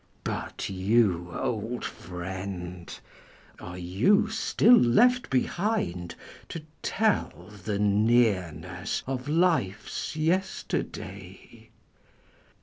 But you old friend, are you still left behind To tell the nearness of life's yesterday